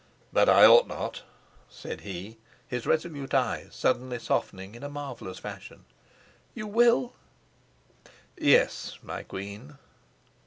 "But I ought not," said he, his resolute eyes suddenly softening in a marvelous fashion. "You will?" "Yes, my queen."